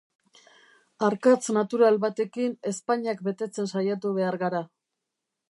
Arkatz natural batekin ezpainak betetzen saiatu behar gara.